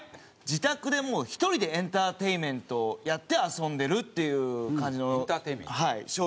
自宅でもう１人でエンターテインメントをやって遊んでるっていう感じの商品が多くて。